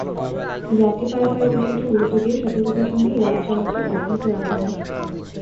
যাত্রী পারাপারের বিষয়টি গুরুত্ব দিয়ে সতর্কতার সঙ্গে লঞ্চ চলাচল অব্যাহত রাখা হয়।